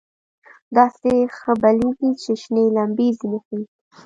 داسې ښه بلېږي چې شنې لمبې ځنې خېژي.